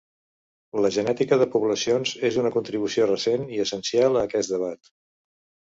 La genètica de poblacions és una contribució recent i essencial a aquest debat.